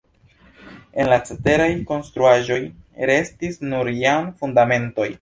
El la ceteraj konstruaĵoj restis nur jam fundamentoj.